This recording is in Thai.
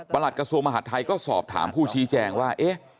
ประหลัดกระทรวงมหาทัยก็สอบถามผู้ชี้แจงว่า